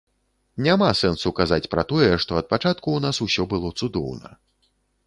Няма сэнсу казаць пра тое, што ад пачатку ў нас усё было цудоўна.